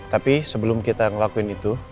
tapi sebelum kita ngelakuin itu